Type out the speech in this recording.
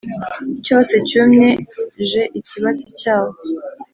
cyose cyumye j Ikibatsi cyawo